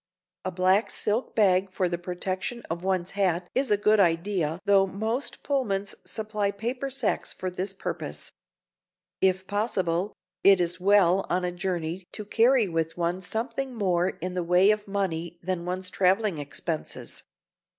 A black silk bag for the protection of one's hat is a good idea though most Pullmans supply paper sacks for this purpose. If possible, it is well on a journey to carry with one something more in the way of money than one's traveling expenses.